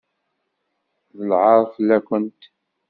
D lɛaṛ fell-awent!